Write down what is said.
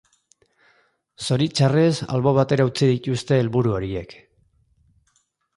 Zoritxarrez, albo batera utzi dituzte helburu horiek.